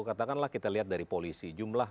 katakanlah kita lihat dari polisi jumlah